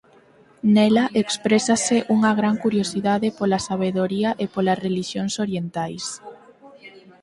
Nela exprésase unha gran curiosidade pola sabedoría e polas relixións orientais.